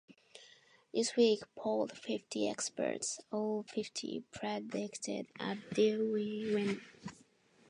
"Newsweek" polled fifty experts; all fifty predicted a Dewey win.